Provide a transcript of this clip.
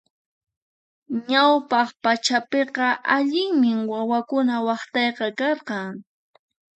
Ñawpaq pachapiqa allinmi wawakuna waqtayqa karqan.